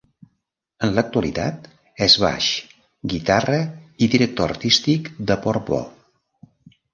En l'actualitat és baix, guitarra i director artístic de Port Bo.